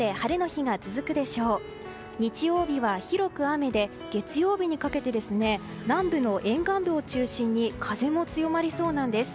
日曜日は広く雨で月曜日にかけて南部の沿岸部を中心に風も強まりそうなんです。